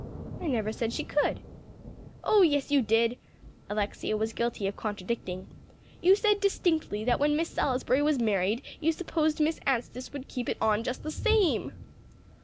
"I never said she could." "Oh, yes, you did," Alexia was guilty of contradicting. "You said distinctly that when Miss Salisbury was married, you supposed Miss Anstice would keep it on just the same."